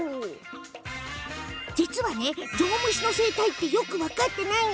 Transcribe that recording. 実はゾウムシの生態はよく分かっていないの。